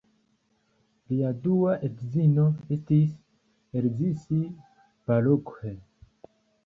Lia dua edzino estis Erzsi Balogh.